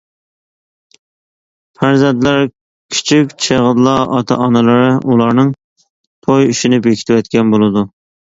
پەرزەنتلەر كىچىك چېغىدىلا ئاتا-ئانىلىرى ئۇلارنىڭ توي ئىشىنى بېكىتىۋەتكەن بولىدۇ.